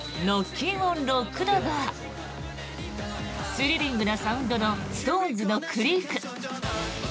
スリリングなサウンドのＳｉｘＴＯＮＥＳの「ＣＲＥＡＫ」。